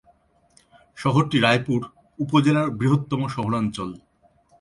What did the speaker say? শহরটি রায়পুর উপজেলার বৃহত্তম শহরাঞ্চল।